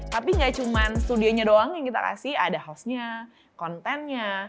tapi gak cuma studionya doang yang kita kasih ada hostnya kontennya